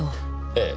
ええ。